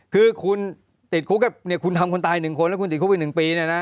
คือคุณติดคุกเนี่ยคุณทำคนตาย๑คนแล้วคุณติดคุกไป๑ปีเนี่ยนะ